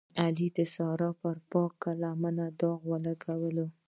علي د سارې پر پاکه لمنه داغ ولګولو.